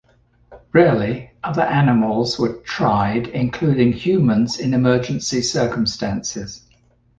Rarely, other animals were tried, including humans in emergency circumstances.